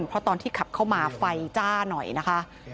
เพราะตอนที่ขับเข้ามาไฟจ้าหน่อยนะคะ